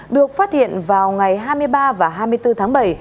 được phát hiện vào ngày hai mươi ba và hai mươi bốn tháng bảy